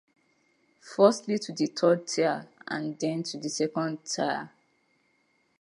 Firstly to the third tier and then to the second tier.